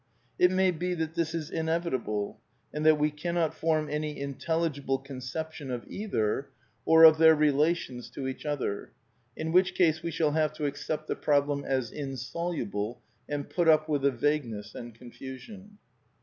It may be that this is inevitable, and that we cannot form any intelligible conception of either, or of ..' 14 A DEFENCE OF IDEALISM their relations to each other; in which case we shall have to accept the problem as insoluble and put up with the vagueness and confusion.